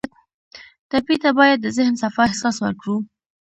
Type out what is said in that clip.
ټپي ته باید د ذهن صفا احساس ورکړو.